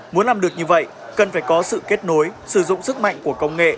muốn làm được như vậy cần phải có sự kết nối sử dụng sức mạnh của công nghệ